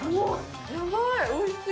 やばい、おいしい。